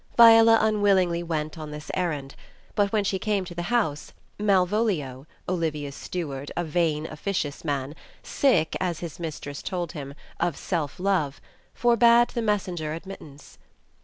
Viola unwillingly went on this errand, but when she came to the house, Malvolio, Olivia's steward, a vain, officious man, sick, as his mistress told him, of self love, forbade the messenger admittance.